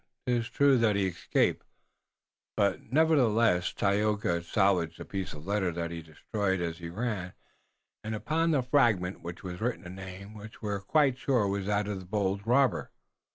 'Tis true that he escaped, but nevertheless Tayoga salvaged a piece of a letter that he destroyed as he ran, and upon the fragment was written a name which we're quite sure was that of the bold robber."